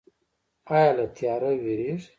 ایا له تیاره ویریږئ؟